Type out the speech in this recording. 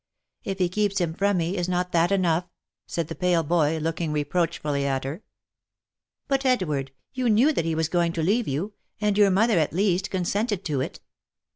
" If he keeps him from me is not that enough V said the pale boy, looking reproachfully at her. " But, Edward, you knew that he was going to leave you ; and your mother, at least, consented to it."